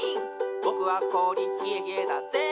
ぼくはこおりひえひえだっぜ」